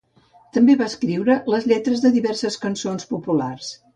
També va escriure les lletres de diverses cançons populars.